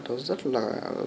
nó rất là